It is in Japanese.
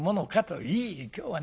いいえ今日はね